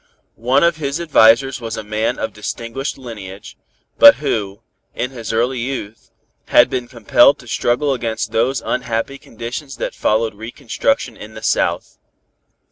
One of his advisers was a man of distinguished lineage, but who, in his early youth, had been compelled to struggle against those unhappy conditions that followed reconstruction in the South.